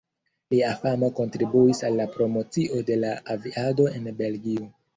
Lia famo kontribuis al la promocio de la aviado en Belgio.